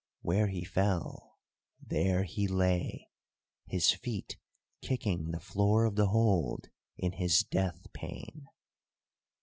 Where he fell, there he lay, his feet kicking the floor of the hold in his death pain.